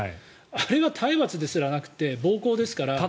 あれは体罰ですらなくて暴行ですから。